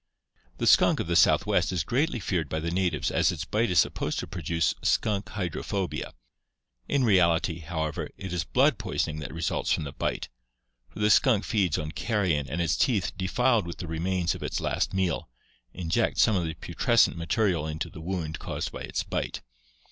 The skunk of the Southwest is greatly feared by the natives as its bite is supposed to produce skunk hydrophobia. In reality, however, it is blood poisoning that results from the bite, for the skunk feeds on carrion and its teeth, defiled with the remains of its last meal, inject some of the putrescent material into the wound caused by its bite.